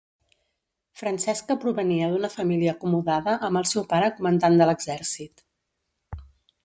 Francesca provenia d'una família acomodada amb el seu pare comandant de l'exèrcit.